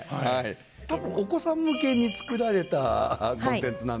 多分お子さん向けに作られたコンテンツなんですよね。